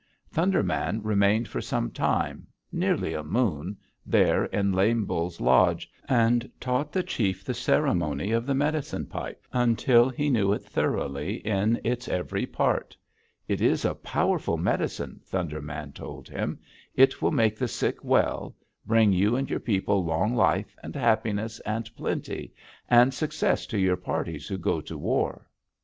"Thunder Man remained for some time, nearly a moon, there in Lame Bull's lodge, and taught the chief the ceremony of the medicine pipe until he knew it thoroughly in its every part. 'It is a powerful medicine,' Thunder Man told him. 'It will make the sick well; bring you and your people long life and happiness and plenty, and success to your parties who go to war.'